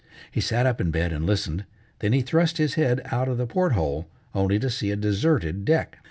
He sat up in bed and listened, then he thrust his head out of the port hole, only to see a deserted deck.